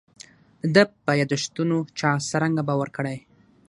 د ده په یاداشتونو چا څرنګه باور کړی.